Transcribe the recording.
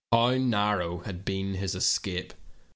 How narrow had been his escape